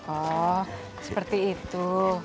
oh seperti itu